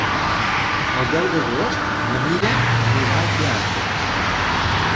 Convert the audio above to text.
El deu d'agost na Mira anirà al teatre.